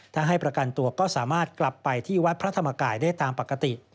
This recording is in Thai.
ถ้าให้ประกันตัวก็สามารถกลับไปที่วัดพระธรรมกายได้ตามปกติ